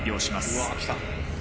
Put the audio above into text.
うわきた。